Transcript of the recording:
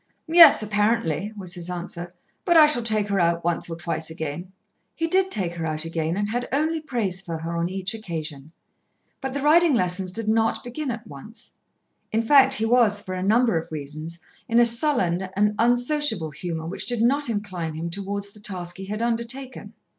"Yes, apparently," was his answer; "but I shall take her out once or twice again." He did take her out again, and had only praise for her on each occasion. But the riding lessons did not begin at once. In fact he was, for a number of reasons, in a sullen and unsociable humour which did not incline him towards the task he had undertaken.